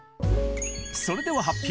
それでは発表！